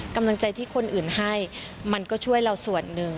กำลังใจที่คนอื่นให้มันก็ช่วยเราส่วนหนึ่ง